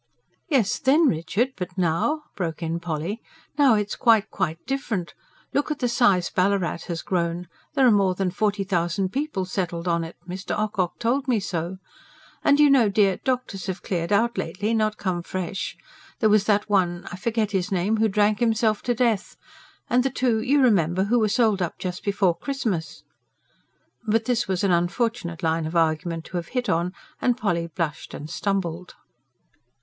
"Yes, THEN, Richard! but now?" broke in Polly. "Now, it's quite, quite different. Look at the size Ballarat has grown there are more than forty thousand people settled on it; Mr. Ocock told me so. And you know, dear, doctors have cleared out lately, not come fresh. There was that one, I forget his name, who drank himself to death; and the two, you remember, who were sold up just before Christmas." But this was an unfortunate line of argument to have hit on, and Polly blushed and stumbled.